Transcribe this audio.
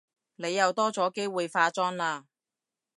你又多咗機會化妝喇